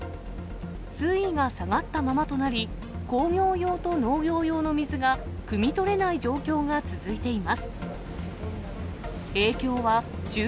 水位が下がったままとなり、工業用と農業用の水がくみ取れない状況が続いています。